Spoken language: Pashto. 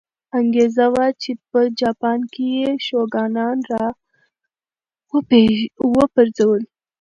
انګېزه وه چې په جاپان کې یې شوګانان را وپرځول.